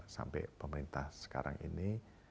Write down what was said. sampai pemerintah sekarang ini